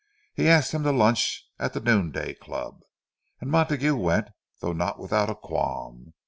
He asked him to lunch at the Noonday Club; and Montague went—though not without a qualm.